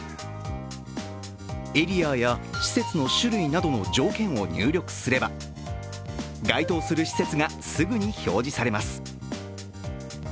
エリアや施設の種類などの条件を入力すれば該当する施設がすぐに表示されます。